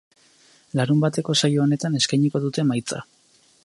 Larunbateko saio honetan eskainiko dute emaitza.